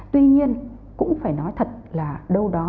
tuy nhiên cũng phải nói thật là đâu đó